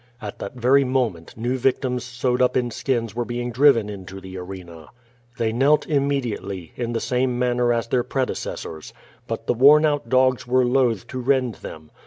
At that very moment, new victims sewed up in skins were being driven into the arena. They knelt immediately, in the same manner as their pre decessors. But the worn out dogs were loath to rend them.